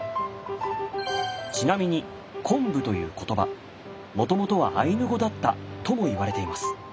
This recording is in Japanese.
ちなみに昆布という言葉もともとはアイヌ語だったともいわれています。